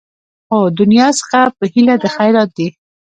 خو دنیا څخه په هیله د خیرات دي